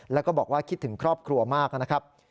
แล้วก็บอกว่าคิดถึงครอบครัวมากนะครับ